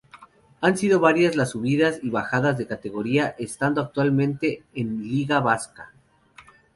Han sido varios las subidas y bajadas de categoría, estando actualmente en Liga Vasca.